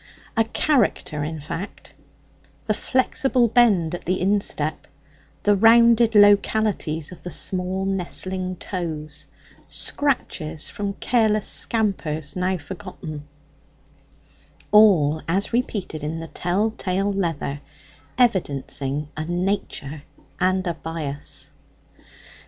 A character, in fact the flexible bend at the instep, the rounded localities of the small nestling toes, scratches from careless scampers now forgotten all, as repeated in the tell tale leather, evidencing a nature and a bias.